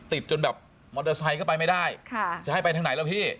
จนแบบมอเตอร์ไซค์ก็ไปไม่ได้จะให้ไปทางไหนแล้วพี่